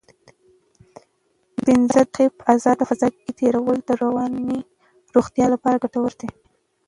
پنځه دقیقې په ازاده فضا کې تېرول د رواني روغتیا لپاره ګټور دي.